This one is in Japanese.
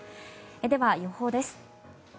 では、予報です。